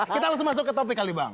kita langsung masuk ke topik kali bang